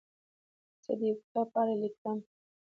زه د یو کتاب په اړه لیکم.